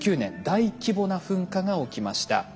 大規模な噴火が起きました。